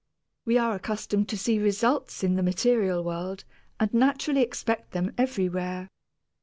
We are accustomed to see results in the material world and naturally expect them everywhere.